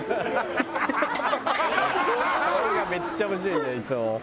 「顔がめっちゃ面白いんだよいつも」